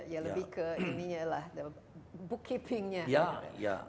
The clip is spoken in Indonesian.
ya lebih ke book keeping nya